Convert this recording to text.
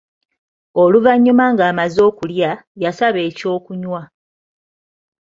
Oluvannyuma ng'amaze okulya, yasaba eky'okunywa.